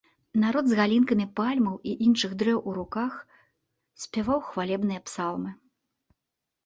Народ з галінкамі пальмаў і іншых дрэў у руках спяваў хвалебныя псалмы.